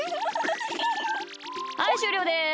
はいしゅうりょうです。